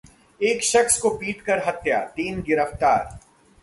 एक शख्स की पीटकर हत्या, तीन गिरफ्तार